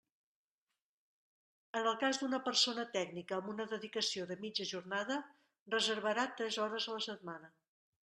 En el cas d'una persona tècnica amb una dedicació de mitja jornada reservarà tres hores a la setmana.